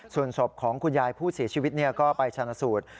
ส่วนศพของคุณยายผู้เสียชีวิตก็ไปชนะสูตร